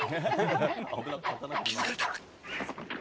気づかれた！